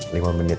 lima menit ya